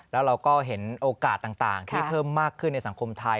แล้วเราก็เห็นโอกาสต่างที่เพิ่มมากขึ้นในสังคมไทย